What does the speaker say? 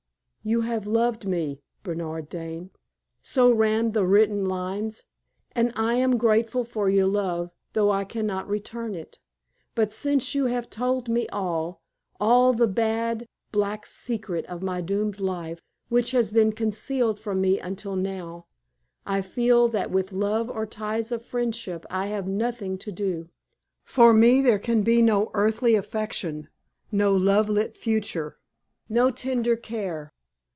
"You have loved me, Bernard Dane" so ran the written lines "and I am grateful for your love, though I can not return it. But since you have told me all all the bad, black secret of my doomed life, which has been concealed from me until now I feel that with love or ties of friendship I have nothing to do. For me there can be no earthly affection, no love lit future, no tender care.